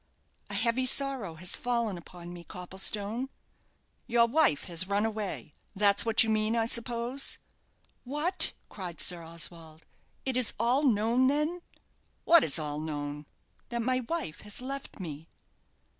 "A heavy sorrow has fallen upon me, Copplestone." "Your wife has run away that's what you mean, I suppose?" "What!" cried Sir Oswald. "It is all known, then?" "What is all known?" "That my wife has left me."